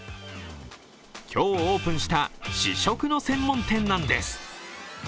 今日オープンした試食の専門店なんです。